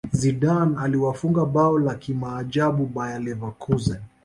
zidane aliwafunga bao la kimaajabu bayern leverkusen